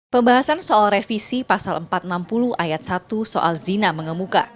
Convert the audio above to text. pembahasan soal revisi pasal empat ratus enam puluh ayat satu soal zina mengemuka